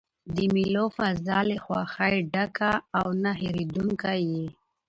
د مېلو فضا له خوښۍ ډکه او نه هېردونکې يي.